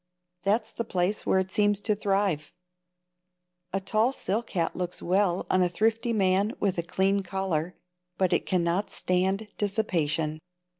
That's the place where it seems to thrive. A tall silk hat looks well on a thrifty man with a clean collar, but it cannot stand dissipation.